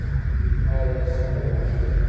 آیا دا کیسه لا دوام نلري؟